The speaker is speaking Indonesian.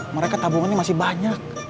mereka tabungannya masih banyak